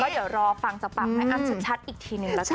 เดี๋ยวรอฟังจากปากแม่อ้ำชัดอีกทีหนึ่งแล้วกัน